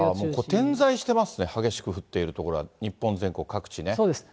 点在してますね、激しく降っている所が、日本全国各地ね。